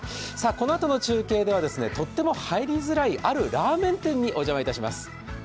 このあとの中継では、とっても入りづらいあるラーメン店にお邪魔します。